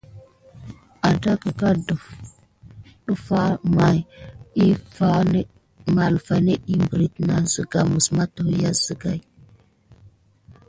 Əŋɗeke defà aɗef mà kifà net ɗik piriti nà sika mis namtua siga.